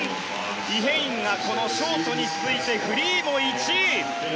イ・ヘインがショートに続いてフリーも１位。